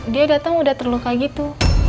dia datang udah terluka gitu